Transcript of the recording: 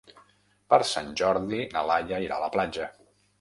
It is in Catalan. Per Sant Jordi na Laia irà a la platja.